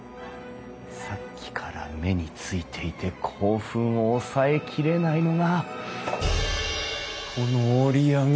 さっきから目に付いていて興奮を抑えきれないのがこの折り上げ